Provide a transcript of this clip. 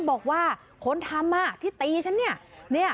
บอกว่าคนทรัมป์ม่าที่ตีฉันนี้